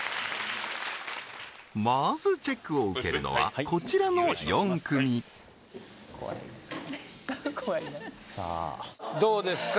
まずチェックを受けるのはこちらの４組怖い怖いなさあどうですか？